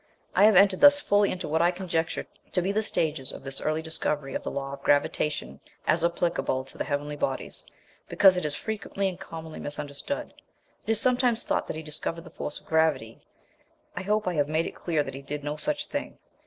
I have entered thus fully into what I conjecture to be the stages of this early discovery of the law of gravitation, as applicable to the heavenly bodies, because it is frequently and commonly misunderstood. It is sometimes thought that he discovered the force of gravity; I hope I have made it clear that he did no such thing.